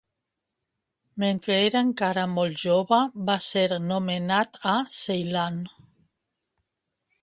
Mentre era encara molt jove va ser nomenat a Ceilan.